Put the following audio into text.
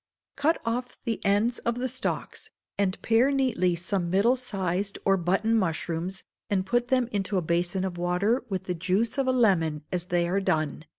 Cut off the ends of the stalks, and pare neatly some middle sized or button mushrooms, and put them into a basin of water with the juice of a lemon as they are done.